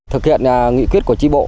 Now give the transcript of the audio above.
thực hiện nghị quyết của trí bộ